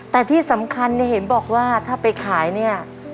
แต่ที่สำคัญเนี่ยเห็นบอกว่าถ้าไปขายเนี่ย